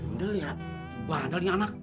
udah liat bandel nih anak